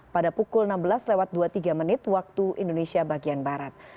pada pukul enam belas lewat dua puluh tiga menit waktu indonesia bagian barat